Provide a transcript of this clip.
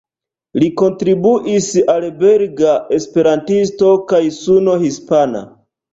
Li kontribuis al "Belga Esperantisto" kaj "Suno Hispana".